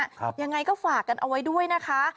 ยังไงก็ฝากกันเอาไว้ด้วยนะคะ